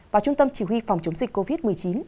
và trung tâm chỉ huy phòng chống dịch covid một mươi chín